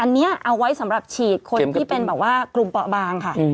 อันนี้เอาไว้สำหรับฉีดคนที่เป็นแบบว่ากลุ่มเปาะบางค่ะ